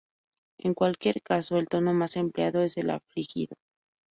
En cualquier caso, el tono más empleado es el afligido.